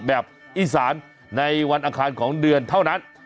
แบบอีสานในวันอังคารของเดือนเท่านั้น